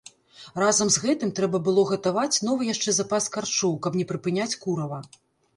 Разам з гэтым трэба было гатаваць новы яшчэ запас карчоў, каб не прыпыняць курава.